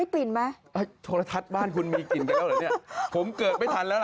อะไรนะครับโทรธัสบ้านคุณมีกลิ่นไปแล้วหรือผมเกิดไม่ทันแล้วล่ะ